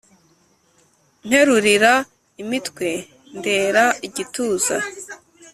nterurira i mutwe ndera igituza,